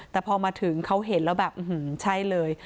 แต่พอมาถึงเขาเห็นแล้วแบบใช่เลย